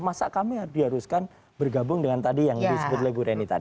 masa kami diharuskan bergabung dengan tadi yang disebut oleh bu reni tadi